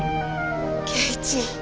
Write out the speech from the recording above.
恵一。